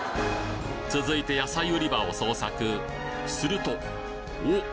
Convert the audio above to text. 続いて野菜売り場を捜索するとおっ！